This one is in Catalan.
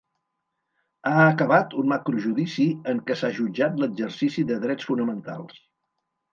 Ha acabat un macrojudici en què s’ha jutjat l’exercici de drets fonamentals.